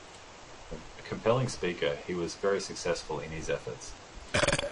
A compelling speaker, he was very successful in his efforts.